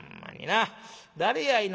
誰やいな